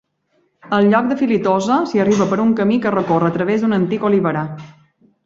Al lloc de Filitosa s'hi arriba per un camí que recorre a través d'un antic oliverar.